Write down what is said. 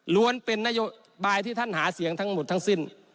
เป็นนโยบายที่ท่านหาเสียงทั้งหมดทั้งสิ้น